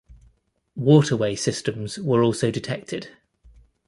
Waterway systems were also detected.